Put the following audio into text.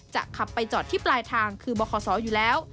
ขับไปจอดที่ปลายทางคือบขอยู่แล้ว